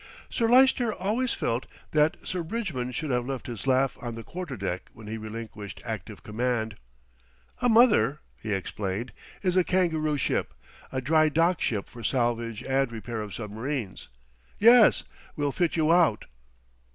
Sir Lyster always felt that Sir Bridgman should have left his laugh on the quarter deck when he relinquished active command. "A 'mother,'" he explained, "is a kangaroo ship, a dry dock ship for salvage and repair of submarines. Yes, we'll fit you out."